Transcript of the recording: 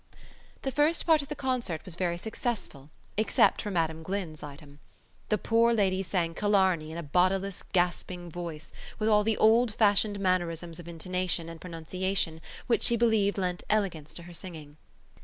The first part of the concert was very successful except for Madam Glynn's item. The poor lady sang Killarney in a bodiless gasping voice, with all the old fashioned mannerisms of intonation and pronunciation which she believed lent elegance to her singing.